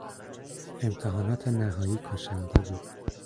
امتحانات نهایی کشنده بود.